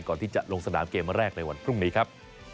ก่อนที่จะลงสนามเกมแรกในวันพรุ่งนี้ครับ